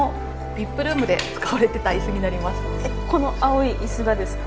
この青い椅子がですか。